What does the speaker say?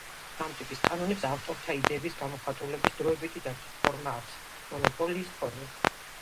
ამ ტიპის კანონებს ავტორთა იდეების გამოხატულების დროებითი დაცვის ფორმა აქვს მონოპოლიის ფორმით.